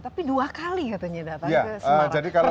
tapi dua kali katanya datang ke semarang